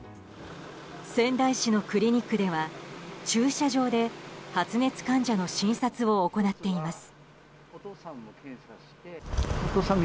仙台市のクリニックでは駐車場で発熱患者の診察を行っています。